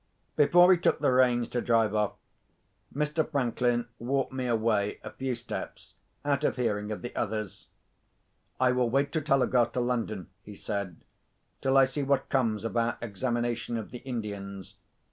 Before he took the reins to drive off, Mr. Franklin walked me away a few steps out of hearing of the others. "I will wait to telegraph to London," he said, "till I see what comes of our examination of the Indians.